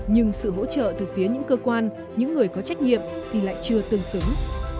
nhưng sự hỗ trợ từ phía những cơ quan những người có trách nhiệm thì lại chưa tương xứng